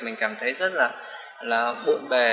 mình cảm thấy rất là bụng bề